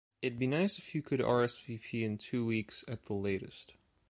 It’d be nice if you could RSVP in two weeks at the latest.